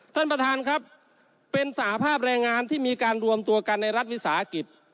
ท่านประธานครับเป็นสหภาพแรงงานที่มีการรวมตัวกันในรัฐวิสาหกิจ